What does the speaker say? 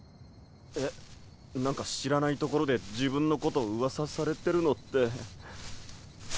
えっ何か知らないところで自分のこと噂されてるのって。